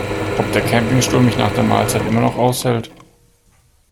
Ob der Campingstuhl mich nach der Mahlzeit immer noch aushält?